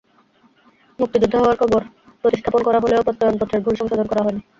মুক্তিযোদ্ধা হওয়ায় কবর প্রতিস্থাপন করা হলেও প্রত্যয়নপত্রের ভুল সংশোধন করা হয়নি।